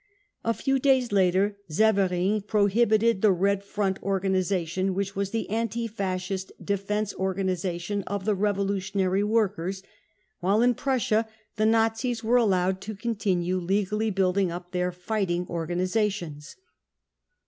A few days later Severing prohibited the Red Front organisation, which was the anti Fascist defence organisation of the revolutionary workers, while in Prussia the Nazis were allowed to continue legally building up their fighting organisations.